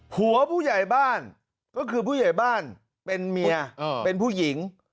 ผู้ใหญ่บ้านก็คือผู้ใหญ่บ้านเป็นเมียเป็นผู้หญิง